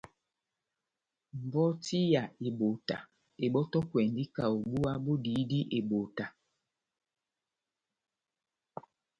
Mbɔti ya ebota ebɔ́tɔkwɛndi kaho búwa bodihidi ebota.